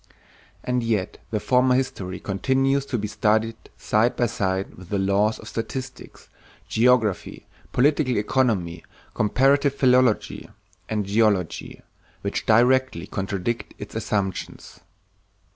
And yet the former history continues to be studied side by side with the laws of statistics, geography, political economy, comparative philology, and geology, which directly contradict its assumptions.